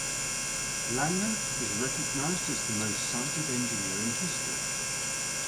Langer is recognized as the most cited engineer in history.